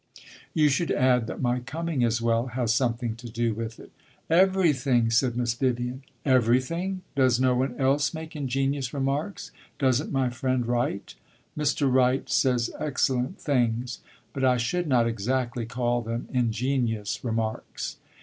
"You should add that my coming, as well, has something to do with it." "Everything!" said Miss Vivian. "Everything? Does no one else make ingenious remarks? Does n't my friend Wright?" "Mr. Wright says excellent things, but I should not exactly call them ingenious remarks."